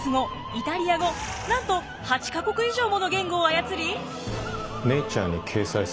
イタリア語なんと８か国以上もの言語を操り。